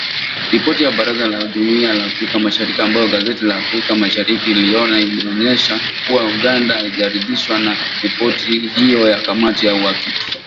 Ripoti ya Baraza la Jumuiya la Afrika Mashariki ambayo gazeti la Afrika Mashariki iliiona inaonyesha kuwa Uganda haijaridhishwa na ripoti hiyo ya kamati ya uhakiki